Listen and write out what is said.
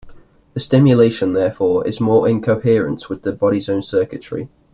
The stimulation therefore is more in coherence with the body's own circuitry.